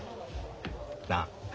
なあ。